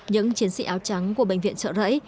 những chiến sĩ áo trắng của bệnh viện trợ rẫy